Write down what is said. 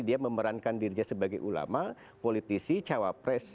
dia memerankan dirinya sebagai ulama politisi cawapres